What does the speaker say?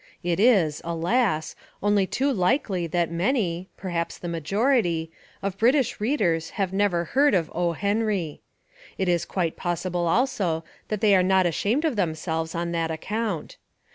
It is, alas! only too likely that many, perhaps the majority, of British readers have never heard of O. Henry, It is quite possible also that they are not ashamed of themselves on that account.